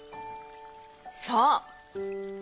そう。